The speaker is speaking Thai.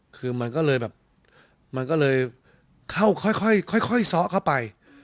คือมันก็เลยแบบมันก็เลยเข้าค่อยซ้อเข้าไป